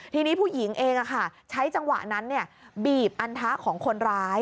ทีนี้ผู้หญิงเองใช้จังหวะนั้นบีบอันทะของคนร้าย